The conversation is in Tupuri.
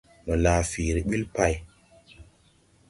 Ndo laa fiiri ɓil pay.